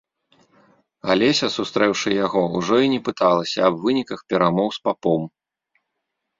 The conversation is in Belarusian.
Алеся, сустрэўшы яго, ужо і не пыталася аб выніках перамоў з папом.